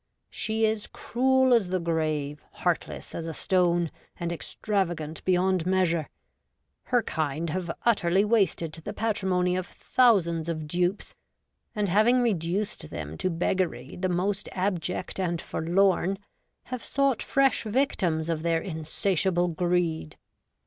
She is cruel as the grave, heartless as a stone, and extravagant beyond measure. Her kind have utterly wasted the patrimony of thousands of dupes, and having reduced them to beggary the most abject and forlorn, have sought fresh victims of their insatiable greed.